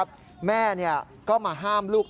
สวัสดีครับทุกคน